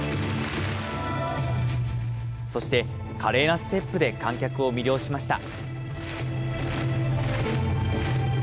そして、華麗なステップで観客を魅了しました。